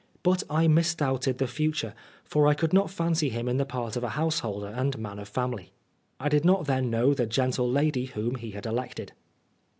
But I misdoubted the future, for I could not fancy him in the part of a householder and man of family. I did not then know the gentle lady whom he had elected.